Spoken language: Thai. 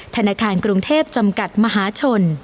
ธนาคารกรุงเทพจำกัดมหาชน